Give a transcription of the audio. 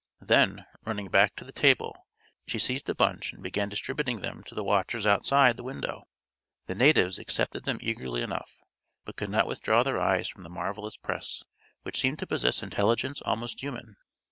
Then, running back to the table, she seized a bunch and began distributing them to the watchers outside the window. The natives accepted them eagerly enough, but could not withdraw their eyes from the marvelous press, which seemed to possess intelligence almost human.